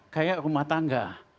kayak rumah tangga